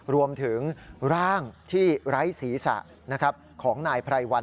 รวมถึงร่างที่ไร้ศีรษะของนายไพรวัน